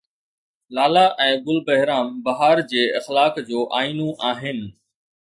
لالا ۽ گل بهرام بهار جي اخلاق جو آئينو آهن